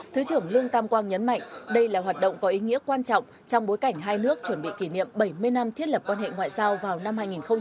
thứ trưởng lương tam quang nhấn mạnh đây là hoạt động có ý nghĩa quan trọng trong bối cảnh hai nước chuẩn bị kỷ niệm bảy mươi năm thiết lập quan hệ ngoại giao vào năm hai nghìn hai mươi